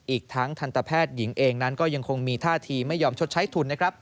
อีกทั้งทันตแพทย์หญิงเองนั้นก็ยังคงมีท่าทีไม่ยอมชดใช้ทุนนะครับ